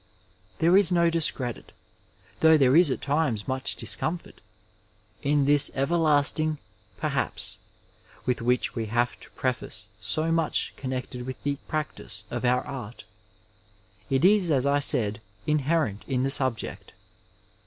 There is no dis credit, though there is at times much discomfort, in this everlasting perJuips with which we have to preface so much connected with the practice of our art. It is, as I said, inherent in the subject.